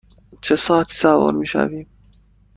چه ساعتی سوار می شویم؟